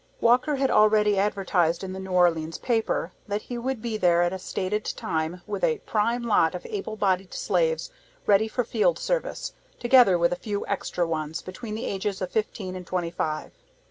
Walker had already advertised in the New Orleans papers, that he would be there at a stated time with "a prime lot of able bodied slaves ready for field service; together with a few extra ones, between the ages of fifteen and twenty five."